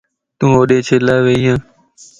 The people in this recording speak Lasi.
تون ھودي چھيلا ويئي؟